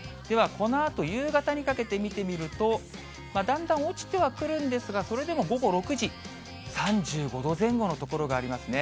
このあと、夕方にかけて見てみると、だんだん落ちてはくるんですが、それでも午後６時、３５度前後の所がありますね。